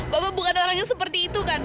bapak bukan orang yang seperti itu kan